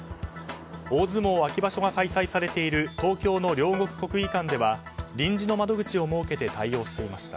大相撲秋場所が開催されている東京の両国国技館では臨時の窓口を設けて対応していました。